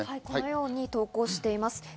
このように投稿しています。